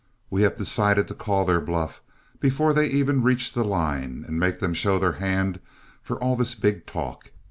We have decided to call their bluff before they even reach the line, and make them show their hand for all this big talk.